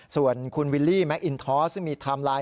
ส่วนคุณวิลลี่แมคอินทอสซึ่งมีไทม์ไลน์